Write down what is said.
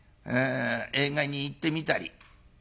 映画に行ってみたり。